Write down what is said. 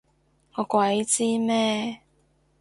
我鬼知咩？